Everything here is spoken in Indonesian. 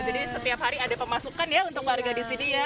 jadi setiap hari ada pemasukan ya untuk warga di sini ya